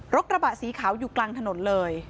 กระบะสีขาวอยู่กลางถนนเลย